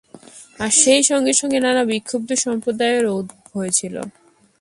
আর সেই সঙ্গে সঙ্গে নানা বিক্ষুদ্ধ সম্প্রদায়েরও উদ্ভব হয়েছিল।